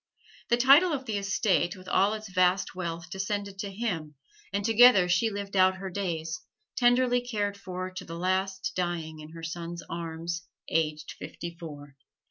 The title of the estate with all its vast wealth descended to him, and together she lived out her days, tenderly cared for to the last, dying in her son's arms, aged fifty four.